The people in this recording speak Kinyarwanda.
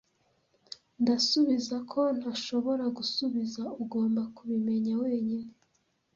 Ndasubiza ko ntashobora gusubiza, ugomba kubimenya wenyine.